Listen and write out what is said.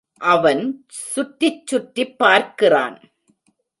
அவன் சுற்றிச் சுற்றிப் பார்க்கிறான்.